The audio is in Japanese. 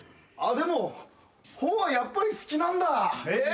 あっでも本はやっぱり好きなんだ。